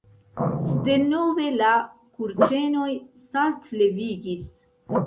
Denove la kurtenoj saltlevigis.